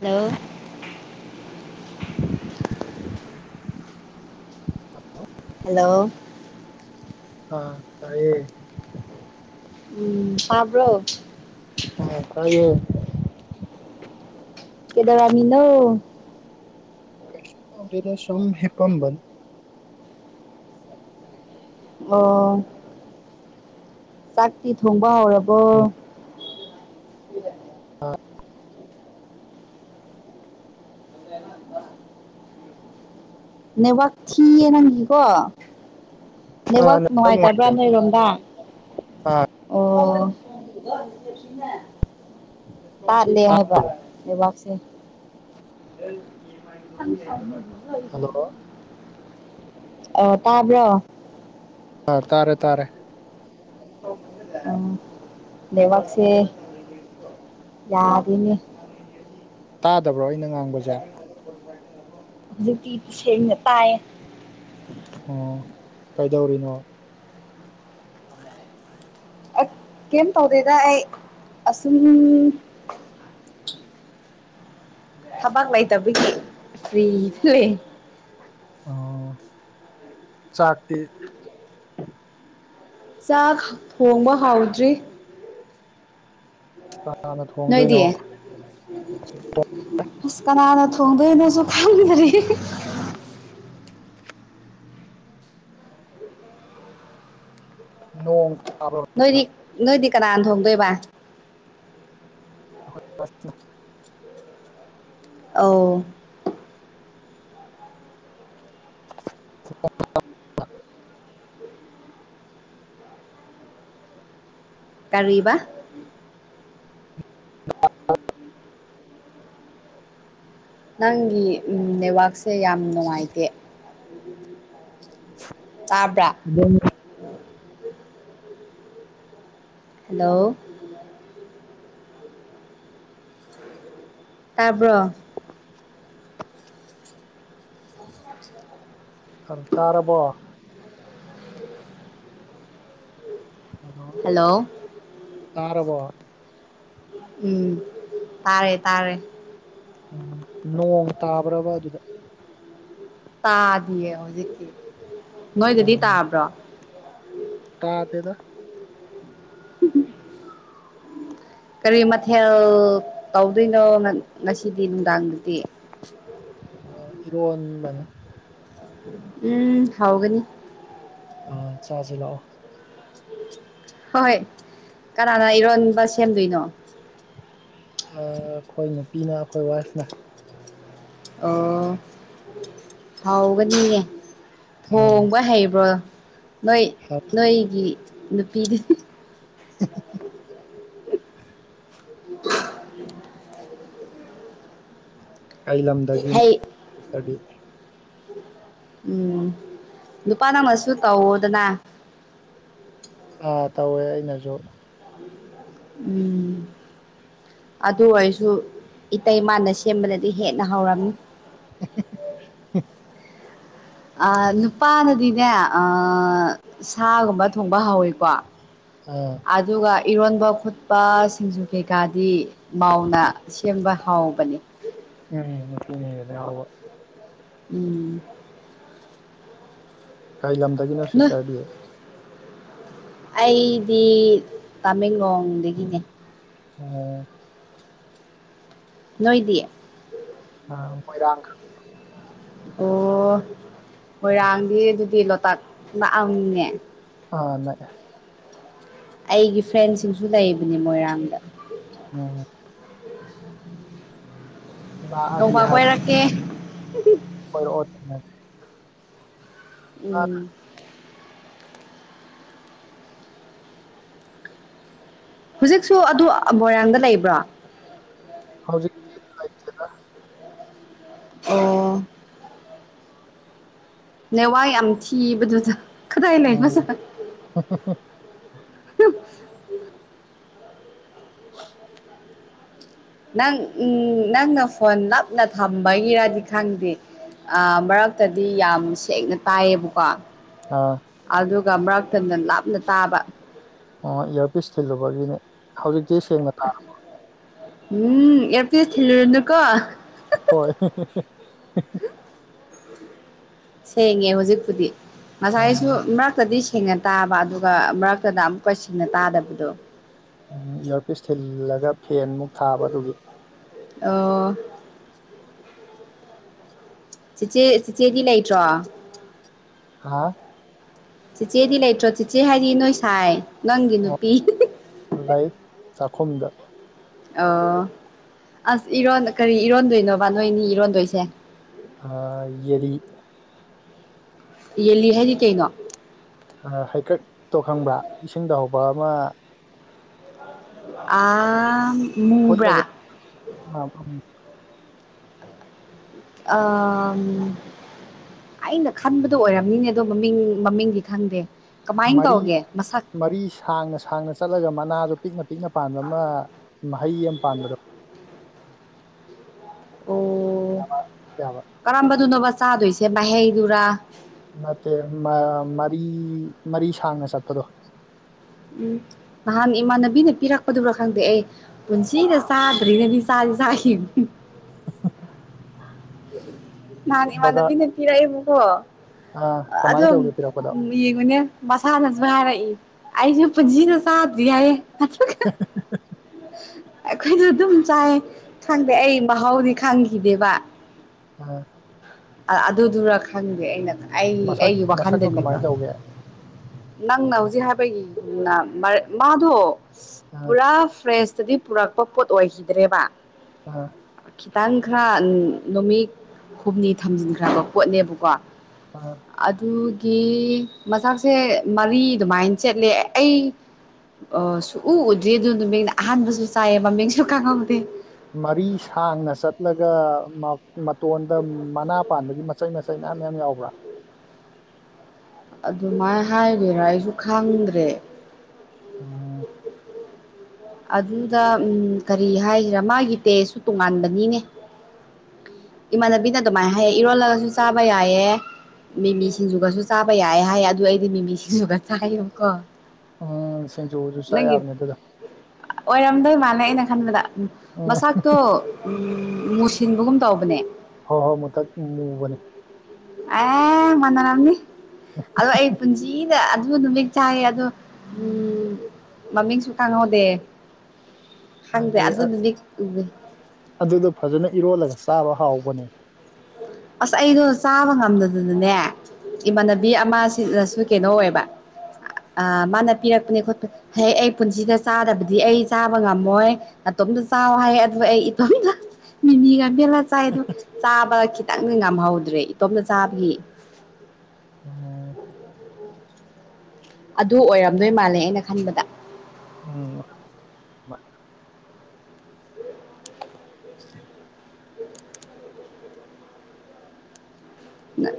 hello hello ꯍꯥꯥ ꯇꯥꯏꯌꯦ ꯎꯝ ꯄꯥꯕ꯭ꯔꯣ ꯑ ꯇꯥꯏꯌꯦ ꯇꯥꯏꯌꯦ ꯀꯩꯗꯧꯔꯝꯃꯤꯅꯣ ꯀꯩꯁꯨ ꯇꯧꯗꯦꯗ ꯁꯨꯝ ꯍꯤꯞꯄꯝꯕꯅꯦ ꯑꯣ ꯆꯥꯛꯇꯤ ꯊꯣꯡꯕ ꯍꯧꯔꯕꯣ ꯑꯥ ꯅꯦꯠꯋꯥꯛ ꯊꯤꯌꯦ ꯅꯪꯒꯤꯀꯣ ꯑꯥ ꯅꯦꯠꯋꯥꯛ ꯅꯨꯡꯉꯥꯏꯇꯕ꯭ꯔꯥ ꯅꯨꯡꯉꯥꯏꯇꯕ ꯅꯣꯏꯔꯣꯝꯗꯥ ꯑꯥ ꯑꯣ ꯇꯥꯗꯦ ꯇꯥ ꯍꯥꯏꯕ ꯅꯦꯠꯋꯥꯛ [unintelligible] ꯍꯜꯂꯣ ꯑ ꯇꯥꯕ꯭ꯔꯣ ꯇꯥꯔꯦ ꯇꯥꯔꯦ ꯎꯝ ꯅꯦꯠꯋꯥꯛꯁꯦ ꯌꯥꯗꯦꯅꯦ ꯇꯥꯗꯕ꯭ꯔꯣ ꯑꯩꯅ ꯉꯥꯡꯕꯁꯦ ꯍꯧꯖꯤꯛꯇꯤ ꯁꯦꯡꯅ ꯇꯥꯏꯌꯦ ꯑꯣ ꯀꯩꯗꯧꯔꯤꯅꯣ ꯀꯩꯌꯝ ꯇꯧꯗꯦꯗ ꯑꯩ ꯑꯁꯨꯝ ꯊꯕꯛ ꯂꯩ ꯇꯕꯒꯤ ꯐ꯭ꯔꯤ ꯁꯨꯏ ꯑꯣ ꯆꯥꯛꯇꯤ ꯆꯥꯛ ꯊꯣꯡꯕ ꯍꯥꯎꯗ꯭ꯔꯤ ꯅꯥꯅ ꯊꯣꯡꯗꯨꯏꯅꯣ ꯅꯣꯏꯗꯤ ꯑꯁ ꯀꯅꯥꯅ ꯊꯣꯡꯗꯣꯏꯅꯣꯁꯨ ꯈꯪꯗꯔꯤ ꯅꯣꯡ ꯇꯥꯕ꯭ꯔꯣ ꯅꯣꯏꯗꯤ ꯅꯣꯏꯗꯤ ꯀꯅꯥꯅ ꯊꯣꯡꯗꯣꯏꯕ [inaudible] ꯑꯧ [unintelligible] ꯀꯔꯤꯕ [unintelligible] ꯅꯪꯒꯤ ꯅꯦꯠꯋꯥꯛꯁꯦ ꯌꯥꯝ ꯅꯨꯡꯉꯥꯏꯇꯦ ꯇꯥꯕ꯭ꯔꯥ ꯑꯗꯨꯝ ꯍꯜꯂꯣ ꯇꯥꯕ꯭ꯔꯣ [inaudible] ꯑꯪ ꯇꯥꯔꯕꯣ ꯍꯜꯂꯣ ꯍꯜꯂꯣ ꯇꯥꯔꯕꯣ ꯎꯝ ꯇꯥꯔꯦ ꯇꯥꯔꯦ ꯎꯝ ꯅꯣꯡ ꯇꯥꯕ꯭ꯔꯕ ꯑꯗꯨꯗ ꯇꯥꯗꯤꯌꯦ ꯍꯧꯖꯤꯛꯇꯤ ꯅꯣꯏꯗꯗꯤ ꯎꯝ ꯇꯥꯕ꯭ꯔꯣ ꯇꯥꯗꯦꯗ [inaudible] ꯀꯔꯤ ꯃꯊꯦꯜ ꯇꯧꯗꯣꯏꯅꯣ ꯉꯁꯤꯗꯤ ꯅꯨꯡꯗꯥꯡꯗꯗꯤ ꯏꯔꯣꯟꯒꯅꯤ ꯎꯝ ꯍꯥꯎꯒꯅꯤ ꯑ ꯆꯥꯖꯦ ꯂꯥꯛꯑꯣ ꯍꯣꯏ ꯀꯅꯥꯅ ꯏꯔꯣꯟꯕ ꯁꯦꯝꯗꯣꯏꯅꯣ ꯑꯩꯈꯣꯏ ꯅꯨꯄꯤꯅ ꯑꯩꯈꯣꯏ ꯋꯥꯏꯐꯅ ꯑꯣ ꯍꯥꯎꯒꯅꯤꯌꯦ ꯑꯥ ꯊꯣꯡꯕ ꯍꯩꯕ꯭ꯔꯣ ꯅꯣꯏ ꯅꯣꯏꯒꯤ ꯅꯨꯄꯤꯗꯨ [inaudible] ꯀꯩ ꯂꯝꯗꯒꯤꯅꯣ ꯍꯩ ꯁꯤꯁꯇꯔꯗꯤ ꯎꯝ ꯅꯨꯄꯥ ꯅ ꯃꯁꯨ ꯇꯧꯋꯣꯗꯅ ꯑꯥ ꯇꯧꯋꯦ ꯑꯩꯅꯁꯨ ꯎꯝ ꯑꯗꯨ ꯑꯣꯏꯔꯁꯨ ꯏꯇꯩꯃꯅ ꯁꯦꯝꯕꯅꯗꯤ ꯍꯦꯟꯅ ꯍꯥꯎꯔꯝꯃꯤ ꯍꯥꯍꯥ ꯍꯥ ꯑ ꯅꯨꯄꯥꯅꯗꯤꯅꯦ ꯁꯥꯒꯨꯝꯕ ꯊꯣꯡꯕ ꯍꯥꯎꯋꯤꯀꯣ ꯑꯥ ꯑꯗꯨꯒ ꯏꯔꯣꯟꯕ ꯈꯣꯠꯄ ꯁꯤꯡꯖꯨ ꯀꯩꯀꯥꯗꯤ ꯃꯥꯎꯅ ꯁꯦꯝꯕ ꯍꯥꯎꯕꯅꯦ [inaudible] ꯎꯝ ꯅꯨꯄꯤꯅ ꯍꯦꯜꯂꯦ ꯍꯥꯎꯕ ꯎꯝ ꯀꯔꯤ ꯂꯝꯗꯒꯤꯅꯣ ꯅꯣꯏ ꯁꯤꯁꯇꯔꯗꯤ ꯑꯩꯗꯤ ꯇꯃꯦꯡꯂꯣꯡꯗꯒꯤꯅꯦ ꯑꯣ ꯅꯣꯏꯗꯤ ꯑ ꯃꯣꯏꯔꯥꯡ ꯑꯣ ꯃꯣꯏꯔꯥꯡꯗꯤ ꯑꯗꯨꯗꯤ ꯂꯣꯛꯇꯥꯛ ꯅꯛꯑꯃꯅꯤꯅꯦ ꯑꯥ ꯅꯛꯑꯦ ꯑꯩꯒꯤ ꯐ꯭ꯔꯦꯟꯁꯤꯡꯁꯨ ꯂꯩꯕꯅꯦ ꯃꯣꯏꯔꯥꯡꯗ ꯑꯝ ꯅꯣꯡꯃ ꯀꯣꯏꯔꯛꯀꯦ ꯀꯣꯢꯔꯛꯑꯣ ꯊꯦꯡꯅꯁꯦ ꯎꯝ ꯍꯧꯖꯤꯛꯁꯨ ꯑꯗꯨ ꯃꯣꯏꯔꯥꯡꯗ ꯂꯩꯕ꯭ꯔꯥ ꯍꯧꯖꯤꯛꯇꯤ ꯂꯩꯇꯦꯗ ꯑꯣ ꯅꯦꯠꯋꯛ ꯌꯥꯝ ꯊꯤꯕꯗꯨꯗ ꯀꯗꯥꯏ ꯑ ꯂꯩꯕꯖꯥꯠ ꯍꯍ [inaudible] ꯅꯪ ꯎꯝ ꯅꯪꯅ ꯐꯣꯟ ꯅꯞꯅ ꯊꯝꯕꯒꯤꯔꯗꯤ ꯈꯪꯗꯦ ꯃꯔꯛꯇꯗꯤ ꯌꯥꯝ ꯁꯦꯡꯅ ꯇꯥꯏꯌꯦꯕꯀꯣ ꯑꯥ ꯑꯗꯨꯒ ꯃꯔꯥꯛꯊꯟꯗꯅ ꯂꯥꯞꯅ ꯇꯥꯕ ꯑꯣ ꯏꯌꯥꯔꯐꯤꯁ ꯊꯤꯜꯂꯨꯕꯒꯤꯅꯦ ꯍꯧꯖꯤꯛꯇꯤ ꯁꯦꯡꯅ ꯇꯥꯔꯕ ꯎꯝ ꯑꯦꯌꯔꯐꯤꯁ ꯊꯤꯜꯂꯨꯅꯨꯀꯣ ꯍꯣꯏ ꯁꯦꯡꯉꯦ ꯍꯧꯖꯤꯛꯄꯨꯗꯤ ꯉꯁꯥꯏꯁꯨ ꯑꯣ ꯃꯔꯛꯇꯗꯤ ꯁꯦꯡꯅ ꯇꯥꯕ ꯑꯗꯨꯒ ꯃꯔꯛꯇꯗ ꯑꯃꯨꯛꯀ ꯁꯦꯡꯅ ꯇꯥꯗꯕꯗꯣ ꯎ ꯏꯌꯥꯔꯄꯤꯁ ꯊꯤꯜꯂꯒ ꯐꯦꯟ ꯃꯨꯛ ꯊꯥꯕ ꯑꯗꯨꯒꯤ ꯑꯣ ꯆꯤꯆꯦ ꯆꯤꯆꯦꯗꯤ ꯂꯩꯇ꯭ꯔꯣ ꯍꯥꯥ ꯆꯤꯆꯦꯗꯤ ꯂꯩꯇ꯭ꯔꯣ ꯆꯤꯆꯦ ꯍꯥꯏꯗꯤ ꯅꯣꯏ ꯁꯥꯏ ꯅꯪꯒꯤ ꯑꯣ ꯅꯨꯄꯤ ꯂꯩ ꯆꯥꯛꯈꯨꯝꯗ ꯑꯣ ꯑꯁ ꯏꯔꯣꯟ ꯀꯔꯤ ꯏꯔꯣꯟꯗꯣꯏꯅꯣꯕ ꯅꯣꯏꯅꯤ ꯏꯔꯣꯟꯗꯣꯏꯁꯦ ꯑ ꯌꯦꯔꯤ ꯌꯦꯜꯂꯤ ꯍꯥꯏꯗꯤ ꯀꯩꯅꯣ ꯍꯩꯀꯠ ꯇꯣ ꯈꯪꯕ꯭ꯔꯥ ꯏꯁꯤꯡ ꯇ ꯍꯧꯕ ꯑꯃ ꯑ ꯐꯨꯠꯂꯒ ꯃꯨꯕ꯭ꯔꯥ ꯑ ꯎ ꯑꯥ ꯑꯩꯅ ꯈꯟꯕꯗꯣ ꯑꯣꯏꯔꯝꯅꯤꯅꯦ ꯑꯗꯣ ꯃꯃꯤꯡ ꯃꯃꯤꯡꯗꯤ ꯈꯪꯗꯦ ꯀꯃꯥꯏꯅ ꯃꯔꯤ ꯇꯧꯒꯦ ꯃꯁꯛ ꯃꯔꯤ ꯁꯥꯡꯅ ꯁꯥꯡꯅ ꯆꯠꯂꯒ ꯃꯅꯥꯗꯣ ꯄꯤꯛꯅ ꯄꯤꯛꯅ ꯄꯥꯟꯕ ꯑꯃ ꯃꯍꯩ ꯑꯃ ꯄꯥꯟꯕꯗꯣ [inaudible] ꯑꯣ ꯌꯥꯕ ꯀꯔꯝꯕꯗꯨꯅꯣꯕ ꯆꯥꯗꯣꯏꯁꯦ ꯃꯍꯩꯗꯨꯔꯥ ꯅꯠꯇꯦ ꯃꯔꯤ ꯃꯔꯤ ꯁꯥꯡꯅ ꯆꯠꯄꯗꯣ ꯎꯝ ꯅꯍꯥꯟ ꯏꯃꯥꯟꯅꯕꯤꯅ ꯄꯤꯔꯛꯄꯗꯨꯕ꯭ꯔꯥ ꯈꯪꯗꯦ ꯑꯩ ꯄꯨꯟꯁꯤꯗ ꯆꯥꯗꯔꯤꯅꯕꯤ ꯆꯥ ꯁꯥꯍꯤ ꯍꯍꯍꯍ ꯅꯥꯍꯥꯟ ꯏꯃꯅꯕꯤꯅ ꯄꯤꯖꯛꯑꯦꯕꯀꯣ ꯑ ꯀꯃꯥꯏꯅ ꯑꯗꯨꯝ ꯇꯧꯒꯦ ꯄꯤꯔꯛꯄꯗꯣ ꯌꯦꯡꯉꯨꯅꯦ ꯃꯁꯥꯅꯁꯨ ꯍꯥꯏꯔꯛꯏ ꯑꯩꯁꯨ ꯄꯨꯟꯁꯤꯗ ꯁꯥꯗ꯭ꯔꯤ ꯍꯥꯏꯕ ꯍꯍꯍꯍ ꯑꯩꯈꯣꯏꯁꯨ ꯑꯗꯨꯝ ꯆꯥꯏ ꯈꯪꯗꯦ ꯑꯩ ꯃꯍꯥꯎꯗꯤ ꯈꯪꯈꯤꯗꯦꯕ ꯑꯥ ꯑꯗꯨꯗꯨꯔꯥ ꯈꯪꯗꯦ ꯑꯩꯅ ꯑꯩ ꯃꯁꯛ ꯑꯩꯒꯤ ꯃꯁꯛꯇꯣ ꯋꯥꯈꯟꯗꯅꯤꯀꯣ ꯀꯃꯥꯏꯅ ꯇꯧꯒꯦ ꯑ ꯅꯪꯅ ꯍꯧꯖꯤꯛ ꯍꯥꯏ ꯑꯩꯈꯣꯏꯒꯤ ꯃꯥꯗꯣ ꯄꯨꯔꯥ ꯐ꯭ꯔꯦꯟꯁꯇꯗꯤ ꯄꯨꯔꯛꯄ ꯄꯣꯠ ꯑꯣꯏꯈꯤꯗ꯭ꯔꯦꯕ ꯑꯥ ꯈꯤꯇꯪ ꯈꯔ ꯅꯨꯃꯤꯠ ꯍꯨꯝꯅꯤ ꯊꯝꯖꯤꯟꯈ꯭ꯔꯕ ꯄꯣꯠꯅꯦꯕꯀꯣ ꯑ ꯑꯗꯨ ꯒꯤ ꯃꯆꯥꯛꯁꯦ ꯃꯔꯤ ꯑꯗꯨꯃꯥꯏꯅ ꯆꯦꯠꯂꯦ ꯑꯩ ꯑ ꯁꯨꯛꯎ ꯎꯗ꯭ꯦ ꯑꯗꯨ ꯅꯨꯃꯤꯡꯅ ꯑꯍꯥꯟꯕꯁꯨ ꯆꯥꯏꯌꯦ ꯃꯃꯤꯡꯁꯨ ꯀꯥꯍꯧꯗꯦ ꯃꯔꯤ ꯁꯥꯡꯅ ꯆꯠꯂꯒ ꯃꯇꯣꯟꯗ ꯃꯅꯥ ꯄꯥꯟꯕꯒꯤ ꯃꯆꯩ ꯃꯆ ꯆꯩꯅꯥ ꯃꯌꯥꯝ ꯌꯥꯎꯕ꯭ꯔꯥ ꯑꯗꯨꯃꯥꯏꯅ ꯍꯥꯏꯒꯔꯥ ꯑꯩꯁꯨ ꯈꯪꯗ꯭ꯔꯦ ꯑꯥ ꯑꯗꯨꯗ ꯎ ꯀꯔꯤ ꯍꯥꯏꯒꯔꯥ ꯃꯥꯒꯤ ꯇꯦꯁꯨ ꯇꯣꯉꯥꯟꯕꯅꯤꯅꯦ ꯏꯃꯥꯟꯅꯕꯤꯅ ꯑꯗꯨꯃꯥꯏꯅ ꯍꯥꯏꯌꯦ ꯏꯔꯣꯜꯂꯒꯁꯨ ꯆꯥꯕ ꯌꯥꯏꯑꯦ ꯃꯤꯃꯤ ꯁꯤꯡꯖꯨꯒꯁꯨ ꯆꯥꯕ ꯌꯥꯏ ꯍꯥꯏ ꯑꯗꯨ ꯑꯩꯗꯤ ꯃꯤꯃꯤ ꯁꯤꯡꯖꯨꯒ ꯆꯥꯏꯌꯦꯕꯀꯣ ꯎꯝ ꯁꯤꯡꯖꯨꯗꯨ ꯆꯥ ꯅꯪꯒꯤ ꯌꯥꯕꯅꯦ ꯑꯗꯨꯗ ꯑꯣꯏꯔꯝꯗꯣꯏ ꯃꯥꯜꯂꯦ ꯑꯩꯅ ꯈꯟꯕꯗ ꯎꯝ ꯃꯁꯇꯣ ꯃꯨꯁꯤꯟꯕꯒꯨꯝ ꯇꯧꯕꯅꯦ ꯍꯣꯏ ꯍꯣꯏ ꯃꯨꯊꯛ ꯃꯨꯕꯅꯤ ꯑꯦ ꯃꯟꯗꯔꯝꯅꯤ ꯑꯗꯣ ꯑꯩ ꯄꯨꯟꯁꯤ ꯑꯗꯨ ꯅꯨꯃꯤꯠ ꯇꯥꯏ ꯑꯗꯨꯗ ꯎ ꯃꯃꯤꯡꯁꯨ ꯈꯪꯍꯧꯗꯦ ꯈꯪꯗꯦ ꯍꯥꯏꯗꯤ ꯑꯗꯨꯗꯨꯗꯤ ꯎꯗꯦ ꯑꯗꯨꯗꯣ ꯐꯖꯅ ꯏꯔꯣꯜꯂꯒ ꯆꯥꯕ ꯍꯥꯎꯕꯅꯦ ꯑꯁ ꯑꯩꯗꯣ ꯆꯥꯕ ꯉꯝꯗꯗꯅꯅꯦ ꯏꯃꯥꯟꯅꯕꯤ ꯑꯃꯁꯤꯗꯁꯨ ꯀꯩꯅꯣ ꯑꯣꯏꯕ ꯃꯥꯅ ꯄꯤꯔꯛꯄꯅꯦ ꯈꯣꯠꯄ ꯍꯦꯛ ꯑꯩ ꯄꯨꯟꯁꯤꯗ ꯆꯥꯗꯕꯗꯤ ꯑꯩ ꯆꯥꯕ ꯉꯝꯃꯣꯏ ꯏꯇꯣꯝꯗ ꯆꯥꯎ ꯍꯥꯏ ꯑꯗꯨꯒ ꯑꯩ ꯏꯇꯣꯝ ꯃꯤꯃꯤꯒ ꯂ ꯆꯥꯏꯗꯣ ꯆꯥꯕ ꯈꯤꯇꯪ ꯉꯝꯍꯧꯗ꯭ꯔꯦ ꯏꯇꯣꯝꯇ ꯆꯥꯕꯒꯤ ꯑꯣ ꯑꯗꯨ ꯑꯣꯏꯔꯝꯗꯣꯏ ꯃꯥꯜꯂꯦ ꯑꯩꯅ ꯈꯟꯕꯗ ꯎꯝ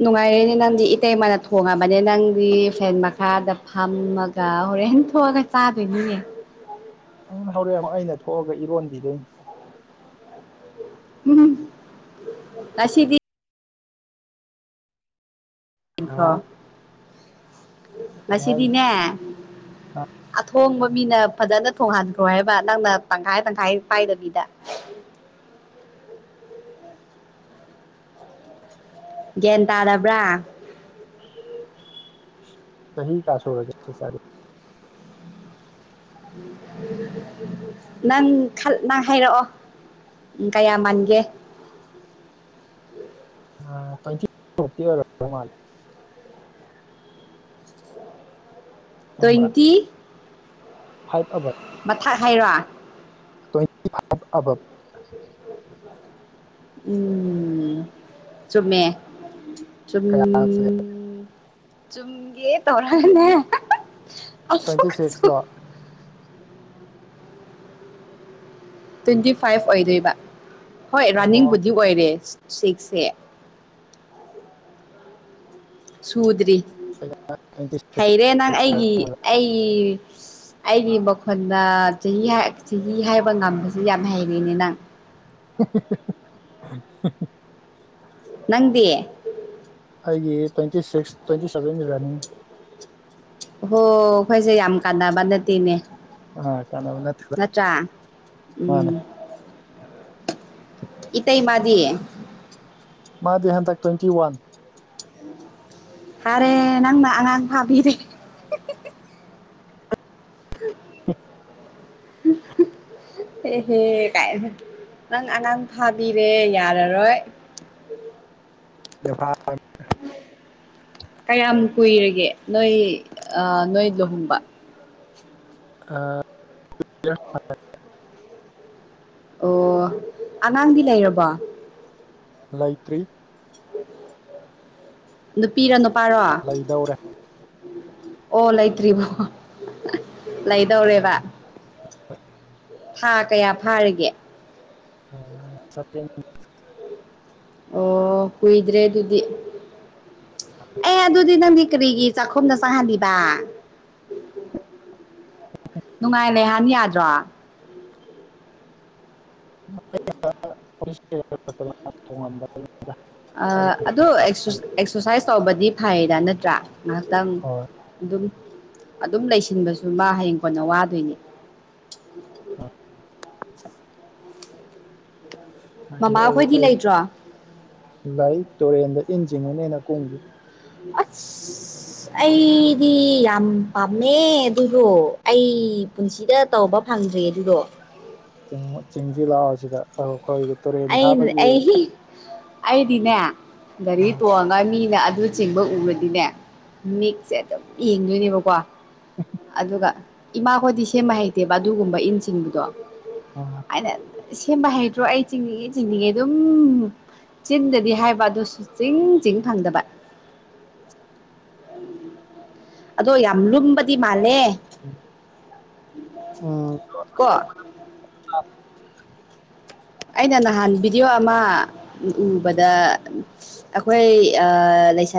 ꯅꯨꯡꯉꯥꯏꯔꯦꯅꯦ ꯅꯪꯗꯤ ꯏꯇꯩꯃꯅ ꯊꯣꯡꯉꯕꯅꯦ ꯅꯪꯗꯤ ꯐꯦꯟ ꯃꯈꯥꯗ ꯐꯝꯃꯒ ꯍꯣꯔꯦꯟ ꯊꯣꯛꯑꯒ ꯆꯥꯗꯣꯏꯅꯤꯅꯦ ꯑꯪ ꯍꯧꯔꯛꯑ ꯑꯃꯨꯛ ꯑꯩꯅ ꯊꯣꯛꯑꯒ ꯏꯔꯣꯟꯕꯤꯗꯣꯏꯅꯤ ꯎꯝ ꯑꯁꯤꯗꯤ ꯍꯥ ꯅꯤꯡꯤꯡꯈ꯭ꯔꯥ ꯀꯩ ꯍꯥꯏꯅꯣ ꯉꯁꯤꯗꯤꯅꯦ ꯑ ꯑꯊꯣꯡꯕ ꯃꯤꯅ ꯐꯖꯅ ꯊꯣꯡ ꯍꯥꯟꯈ꯭ꯔꯣ ꯍꯥꯏꯕ ꯅꯪꯅ ꯇꯪꯈꯥꯏ ꯇꯪꯈꯥꯏ ꯄꯥꯏꯗꯕꯤꯗ ꯒ꯭ꯌꯥꯟ ꯇꯥꯔꯕ꯭ꯔꯥ ꯆꯥꯍꯤ ꯀꯥꯌ ꯁꯧꯔꯒꯦ ꯁꯨꯇꯗꯤ ꯅꯪ ꯅꯪ ꯍꯥꯏꯔꯛꯑꯣ ꯎ ꯀꯌꯥ ꯃꯥꯟꯒꯦ ꯑ ꯇ꯭ꯋꯦꯟꯇꯤ [unintelligible] ꯇ꯭ꯋꯦꯟꯇꯤ ꯐꯥꯏꯠ ꯑꯕ ꯃꯊꯛ ꯍꯥꯏꯔꯣ ꯇ꯭ꯋꯦꯟꯇꯤ ꯐꯚ ꯑꯕ ꯎꯝ ꯆꯨꯝꯃꯦ ꯆ ꯀꯌꯥ ꯆꯨꯝꯒꯦ ꯇꯧꯔꯅꯦ ꯑꯁꯨ ꯇ꯭ꯋꯦꯟꯇꯤ ꯁꯤꯛꯁꯂꯣ ꯇ꯭ꯋꯦꯟꯇꯤ ꯐꯥꯏꯚ ꯑꯣꯏꯗꯣꯏꯕ ꯍꯣꯏ ꯑꯣ ꯔꯥꯅꯤꯡꯕꯨꯗꯤ ꯑꯣꯏꯔꯦ ꯁꯤꯛꯁ ꯑꯦ ꯁꯨꯗꯔꯤ ꯑꯩꯅ ꯇ꯭ꯋꯦꯟꯇꯤ ꯁꯤꯛꯁ ꯍꯩꯔꯦ ꯅꯪ ꯑꯩꯒꯤ ꯑꯩ ꯑꯩꯒꯤ ꯑꯩꯈꯅ ꯆꯍꯤ ꯆꯍꯤ ꯍꯥꯏꯕ ꯉꯝꯁ ꯌꯥꯝ ꯍꯩꯔꯦꯅꯦ ꯅꯪ [inaudible] ꯅꯪꯗꯤ ꯑꯩꯒꯤ twenty six twenty seven running ꯍꯣ ꯑꯩꯈꯣꯏꯁꯦ ꯌꯥꯝ ꯀꯥꯟꯅꯕ ꯅꯠꯇꯦꯅꯦ ꯑ ꯀꯥꯟꯅꯕ ꯅꯠꯇꯦꯗ ꯅꯠꯇ꯭ꯔ ꯎꯝ ꯃꯥꯅꯦ ꯏꯇꯩ ꯃꯥꯗꯤ ꯃꯥꯗꯤ ꯍꯟꯇꯛ ꯇ꯭ꯋꯦꯟꯇꯤ ꯋꯥꯟ ꯐꯔꯦ ꯅꯪꯅ ꯑꯉꯥꯡ ꯐꯥꯕꯤꯔꯦ [inaudible] ꯍꯦꯍꯦ ꯀꯥꯏ ꯅꯪ ꯑꯉꯥꯡ ꯐꯥꯕꯤꯔꯦ ꯌꯥꯔꯔꯣꯏ [inaudible] [inaudible] ꯀꯌꯥꯝ ꯀꯨꯏꯔꯒꯦ ꯅꯣꯏ ꯅꯣꯏ ꯂꯨꯍꯣꯡꯕ ꯑ [unintelligible] ꯑꯣ ꯑꯉꯥꯡꯗꯤ ꯂꯩꯔꯕꯣ ꯂꯩꯇ꯭ꯔꯤ ꯅꯨꯄꯤꯔ ꯅꯨꯄꯥꯔꯣ ꯂꯩꯗꯧꯔꯦ ꯑꯣ ꯂꯩꯇ꯭ꯔꯤꯕꯣ ꯂꯩꯗꯧꯔꯦꯕ ꯊꯥ ꯀꯌꯥ ꯐꯥꯔꯤꯒꯦ [inaudible] ꯑꯣ ꯀꯨꯏꯗ꯭ꯔꯦ ꯑꯗꯨꯗꯤ ꯑꯦ ꯑꯗꯨꯗꯤ ꯅꯪꯗꯤ ꯀꯔꯤꯒꯤ ꯆꯥꯛꯈꯨꯝꯗ ꯆꯥꯍꯜꯂꯤꯕ ꯅꯨꯡꯉꯥꯏ ꯂꯩꯍꯥꯟ ꯌꯥꯗ꯭ꯔꯣ [unintelligible] ꯑꯩ ꯑꯗꯨ ꯑꯦꯛꯁ꯭ꯔꯁꯥꯏꯁ ꯇꯧꯕꯗꯤ ꯐꯩꯗ ꯅꯠꯇ꯭ꯔꯥ ꯉꯥꯏꯍꯥꯛꯇꯪ ꯍꯣꯏ ꯑꯗꯨꯝ ꯑꯗꯨꯝ ꯂꯩꯁꯤꯟꯕꯁꯨ ꯃꯥ ꯍꯌꯦꯡ ꯀꯣꯟꯅ ꯋꯥꯗꯣꯏꯅꯤ ꯍꯥꯏꯗꯤ ꯑꯩ ꯃꯃꯥꯈꯣꯏꯗꯤ ꯑꯩ ꯂꯩꯇ꯭ꯔꯣ ꯂꯩ ꯇꯨꯔꯦꯟꯗ ꯏꯟ ꯆꯤꯡꯉꯨꯅꯦꯅ ꯀꯨꯝꯕꯤ ꯑꯁ ꯑꯁ ꯑꯩꯗꯤ ꯌꯥꯝ ꯄꯥꯝꯃꯦ ꯑꯗꯨꯗꯣ ꯑꯩ ꯄꯨꯟꯁꯤꯗ ꯇꯧꯕ ꯄ ꯐꯪꯗ꯭ꯔꯦ ꯑꯗꯨꯗꯣ ꯆꯤꯡꯖꯤꯜ ꯂꯥꯛꯥꯎ ꯑꯁꯤꯗ ꯑꯩꯈꯣꯏꯒꯤ ꯇꯨꯔꯦꯟ ꯑꯩ ꯊꯥꯕꯒꯤ ꯑꯩ ꯑꯩꯗꯤꯅꯦ ꯑ ꯒꯥꯔꯤ ꯇꯣꯡꯉꯒ ꯃꯤꯅ ꯑꯗꯨꯠ ꯆꯤꯡꯕ ꯎꯔꯗꯤꯅꯦ ꯃꯤꯛꯁꯦ ꯑꯗꯨꯝ ꯌꯦꯡꯗꯣꯏꯅꯦꯕꯀꯣ ꯑꯗꯨꯒ ꯏꯃꯥꯈꯣꯏꯗꯤ ꯁꯦꯝꯕ ꯍꯩꯇꯦꯕ ꯑꯗꯨꯒꯨꯝꯕ ꯏꯟ ꯆꯤꯡꯕꯗꯣ ꯑ ꯑꯩꯅ ꯁꯦꯝꯕ ꯍꯩꯇ꯭ꯔꯣ ꯑꯩ ꯆꯤꯡꯅꯤꯡꯉꯦ ꯆꯤꯡꯅꯤꯡꯉꯦ ꯑꯗꯨꯝ ꯆꯤꯟꯗꯗꯤ ꯍꯥꯏꯕ ꯑꯗꯨꯁꯨ ꯆꯤꯡ ꯆꯤꯡ ꯐꯪꯗꯕ ꯑꯗꯣ ꯌꯥꯝ ꯂꯨꯝꯕꯗꯤ ꯃꯥꯜꯂꯦ ꯎꯝ ꯀꯣ ꯑꯩꯅ ꯅꯍꯥꯟ ꯚꯤꯗꯤꯑꯣ ꯑꯃ ꯎꯕꯗ ꯑꯩꯈꯣꯏ ꯂꯩꯁꯥ